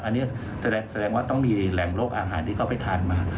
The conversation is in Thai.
อันนี้แสดงว่าต้องมีแหล่งโรคอาหารที่เขาไปทานมา